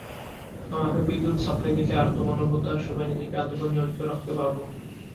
আমাকে বিদ্যুৎ সাপ্লাই দিলে আর্তমানবতার সেবায় নিজেকে আজীবন নিয়োজিত রাখতে পারব।